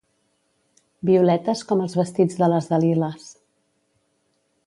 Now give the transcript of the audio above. Violetes com els vestits de les Daliles.